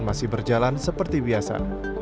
masih berjalan seperti biasa